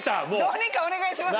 どうにかお願いします。